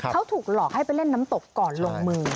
เขาถูกหลอกให้ไปเล่นน้ำตกก่อนลงมือ